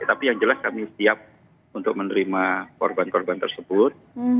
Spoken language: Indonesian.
tapi yang jelas kami siap untuk menerima korban korban tersebut